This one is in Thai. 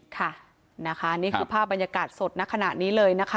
ค่ะนะคะนี่คือภาพบรรยากาศสดในขณะนี้เลยนะคะ